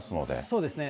そうですね。